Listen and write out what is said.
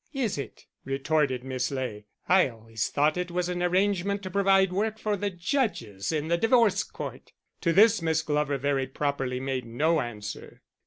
"Is it?" retorted Miss Ley. "I always thought it was an arrangement to provide work for the judges in the Divorce Court." To this Miss Glover very properly made no answer.